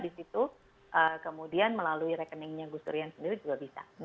di situ kemudian melalui rekeningnya gus durian sendiri juga bisa